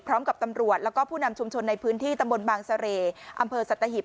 พร้อมกับตำรวจแล้วก็ผู้นำชุมชนในพื้นที่ตำบลบางเสร่อำเภอสัตหิบ